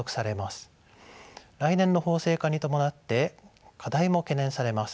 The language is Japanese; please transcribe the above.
来年の法制化に伴って課題も懸念されます。